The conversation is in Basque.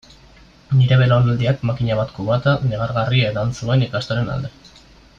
Nire belaunaldiak makina bat kubata negargarri edan zuen ikastolen alde.